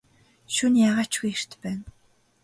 Шөнө яагаа ч үгүй эрт байна.